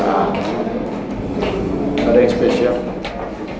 ada yang spesial